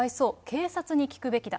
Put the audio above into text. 警察に聞くべきだ。